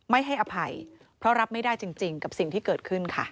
ไม่ให้อภัยเพราะรับไม่ได้จริงกับสิ่งที่เกิดขึ้นค่ะ